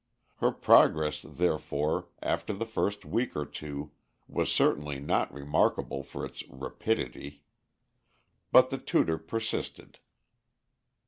Her progress, therefore, after the first week or two, was certainly not remarkable for its rapidity; but the tutor persisted.